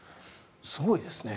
すごいですね。